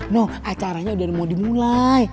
no acaranya udah mau dimulai